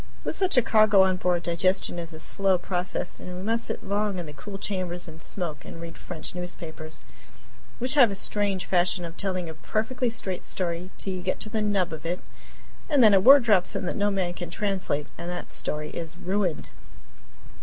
With such a cargo on board, digestion is a slow process, and we must sit long in the cool chambers and smoke and read French newspapers, which have a strange fashion of telling a perfectly straight story till you get to the "nub" of it, and then a word drops in that no man can translate, and that story is ruined.